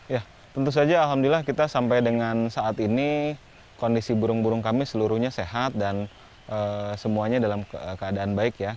ya tentu saja alhamdulillah kita sampai dengan saat ini kondisi burung burung kami seluruhnya sehat dan semuanya dalam keadaan baik ya